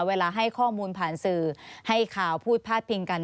เวลาให้ข้อมูลผ่านสื่อให้ข่าวพูดพาดพิงกัน